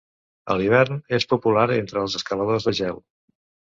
A l'hivern, és popular entre els escaladors de gel.